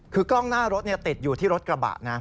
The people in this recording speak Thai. คือกล้องหน้ารถติดอยู่ที่รถกระบะนะ